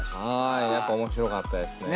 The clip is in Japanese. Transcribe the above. やっぱ面白かったですね。